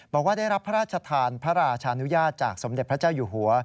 บอกว่าได้รับพระราชทานพระราชานุญาตจากสมเด็จพระเจ้าอยู่หัว